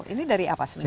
ini dari apa sebenarnya bu